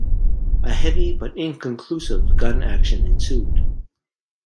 A heavy, but inconclusive, gun action ensued.